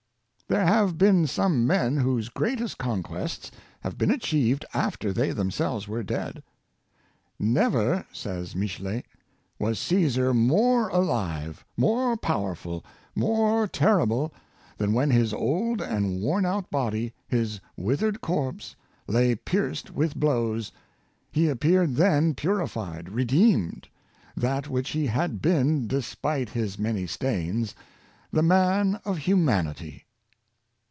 There have been some men whose greatest conquests have been achieved after they themselves were dead. " Never," says Michelet, " was Caesar more alive, more powerful, more terrible, than when his old and worn out body, his withered corpse, lay pierced with blows; he appeared then purified, redeemed — that which he had been, despite his many stains — the man of human ity."